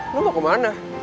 lo mau kemana